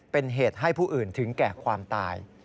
เป็นเหตุให้ผู้อื่นถึงแก่ความตาย